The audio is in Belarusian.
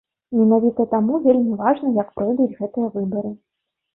Менавіта таму вельмі важна, як пройдуць гэтыя выбары.